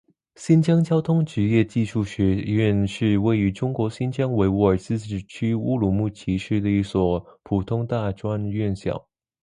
新疆交通职业技术学院是位于中国新疆维吾尔自治区乌鲁木齐市的一所普通大专院校。